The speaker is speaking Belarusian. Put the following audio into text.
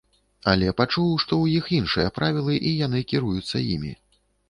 Але пачуў, што ў іх іншыя правілы і яны кіруюцца імі.